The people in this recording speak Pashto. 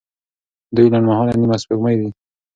دوی لنډمهاله نیمه سپوږمۍ دي.